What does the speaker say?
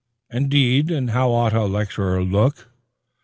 "Indeed, and how ought a lecturer to look?"